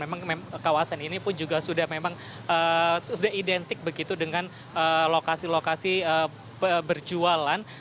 memang kawasan ini pun juga sudah memang sudah identik begitu dengan lokasi lokasi berjualan